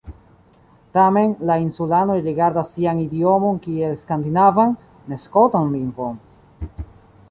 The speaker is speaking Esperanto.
Tamen, la insulanoj rigardas sian idiomon kiel skandinavan, ne skotan lingvon.